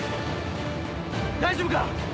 大丈夫か！